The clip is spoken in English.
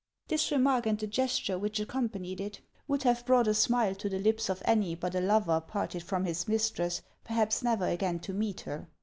This remark and the gesture which accompanied it, would have brought a smile to the lips of any but a lover parted from his mistress perhaps never again to meet her.